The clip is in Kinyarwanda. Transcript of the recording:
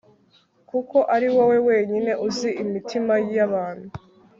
kuko ari wowe wenyine uzi imitima y'abantu